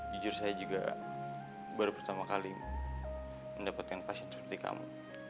jujur saya juga baru pertama kali mendapatkan passion seperti kamu